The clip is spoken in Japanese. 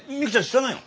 知らないの？